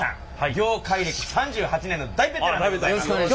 業界歴３８年の大ベテランでございます。